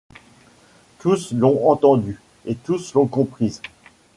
Tous l’ont entendue, et tous l’ont comprise.